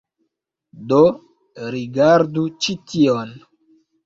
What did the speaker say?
Do, rigardu ĉi tion